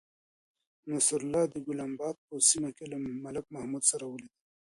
نصرالله د گلناباد په سیمه کې له ملک محمود سره ولیدل.